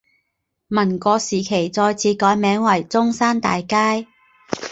民国时期再次改名为中山大街。